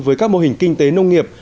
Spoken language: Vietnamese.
với các mô hình kinh tế nông nghiệp